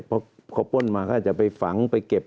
เพราะเขาป้นมาก็อาจจะไปฝังไปเก็บ